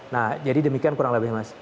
nah jadi demikian kurang lebih mas